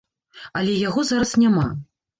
Але яго зараз няма.